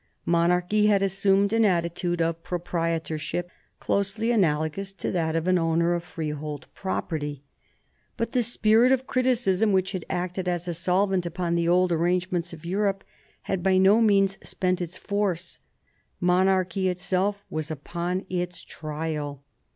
Monarchy had assumed an attitude of proprietorship closely analogous to that of an owner of freehold property. But the spirit of criticism which had acted as a solvent upon the old arrangements of Europe had by no means spent its force. Monarchy itself was upon its trial.